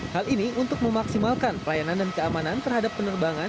hal ini untuk memaksimalkan pelayanan dan keamanan terhadap penerbangan